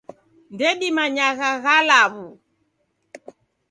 Ndedimanyagha gha law'u.